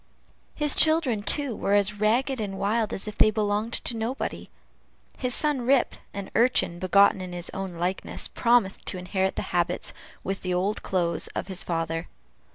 His children, too, were as ragged and wild as if they belonged to nobody. His son Rip, an urchin begotten in his own likeness, promised to inherit the habits, with the old clothes, of his father.